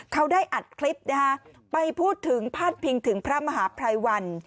เขาได้อัดคลิปไปพูดถึงพันธ์พิงถึงพระมหาพรายวัล